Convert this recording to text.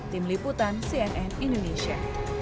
tim liputan cnn indonesia